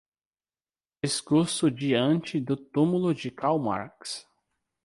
Discurso Diante do Tumulo de Karl Marx